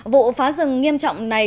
vụ phá rừng nghiêm trọng này